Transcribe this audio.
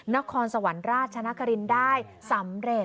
นครสวรรค์ราชนครินได้สำเร็จ